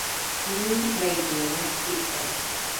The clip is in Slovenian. Mi ne jemo tukaj.